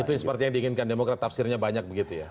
itu seperti yang diinginkan demokrat tafsirnya banyak begitu ya